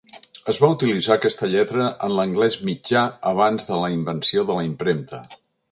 Es va utilitzar aquesta lletra en l'anglès mitjà abans de la invenció de la impremta.